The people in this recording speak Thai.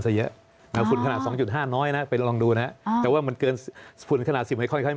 ซึ่งก็อันตรายไปอีกแบบ